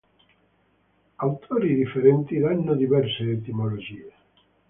Autori differenti danno diverse etimologie.